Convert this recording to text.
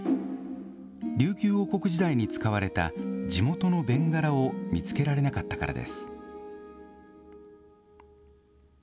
琉球王国時代に使われた地元の弁柄を見つけられなかったからです。